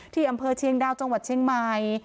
อำเภอเชียงดาวจังหวัดเชียงใหม่